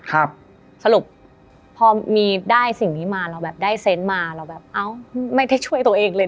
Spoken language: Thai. สรุปพอมีได้สิ่งนี้มาเราแบบได้เซนต์มาเราแบบเอ้าไม่ได้ช่วยตัวเองเลย